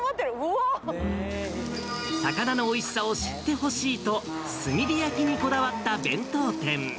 魚のおいしさを知ってほしいと、炭火焼きにこだわった弁当店。